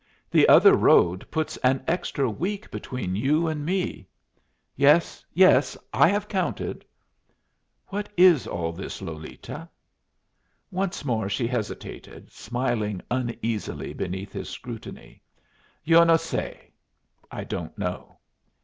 The other road puts an extra week between you and me." "Yes, yes. I have counted." "What is all this, Lolita?" Once more she hesitated, smiling uneasily beneath his scrutiny. "Yo no se" (I don't know).